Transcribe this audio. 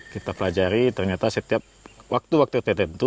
kita pelajari ternyata setiap waktu waktu tertentu